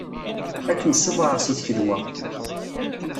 Ad kem-ssufɣeɣ si tkelwa.